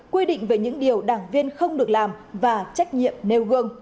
quy định về những điều đảng viên không được làm và trách nhiệm nêu gương